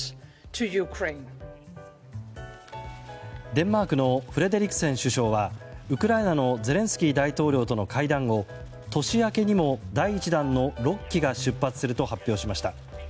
デンマークのフレデリクセン首相はウクライナのゼレンスキー大統領との会談後年明けにも第１弾の６機が出発すると発表しました。